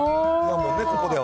ここでは。